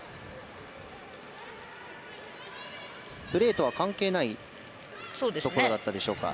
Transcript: プレーとは関係ないところだったでしょうか。